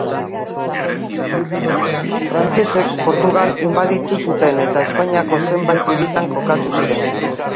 Frantsesek Portugal inbaditu zuten eta Espainiako zenbait hiritan kokatu ziren.